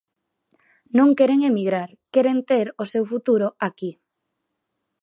Non queren emigrar, queren ter o seu futuro aquí.